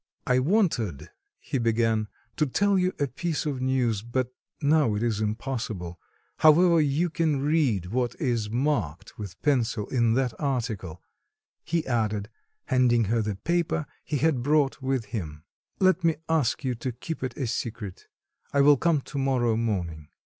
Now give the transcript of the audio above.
"I wanted," he began, "to tell you a piece of news, but now it is impossible. However, you can read what is marked with pencil in that article," he added, handing her the paper he had brought with him. "Let me ask you to keep it a secret; I will come to morrow morning."